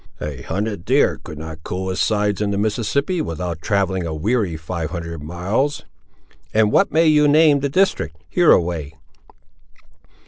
"A hunted deer could not cool his sides, in the Mississippi, without travelling a weary five hundred miles." "And what may you name the district, hereaway?"